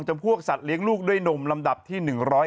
จำพวกสัตว์เลี้ยงลูกด้วยนมลำดับที่๑๐